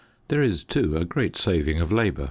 There is, too, a great saving of labour.